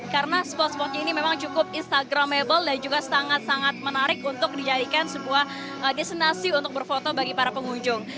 karena spot spot ini memang cukup instagramable dan juga sangat sangat menarik untuk dijadikan sebuah destinasi untuk berfoto bagi para pengunjung